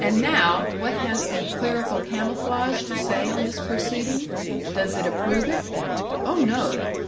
And now, what has the clerical camouflage to say on this proceeding? Does it approve it? Oh no!